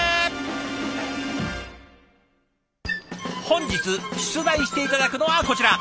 本日出題して頂くのはこちら。